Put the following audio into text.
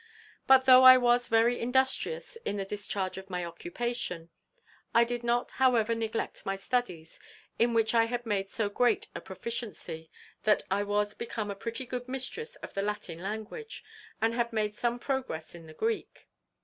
But, though I was very industrious in the discharge of my occupation, I did not, however, neglect my studies, in which I had made so great a proficiency, that I was become a pretty good mistress of the Latin language, and had made some progress in the Greek.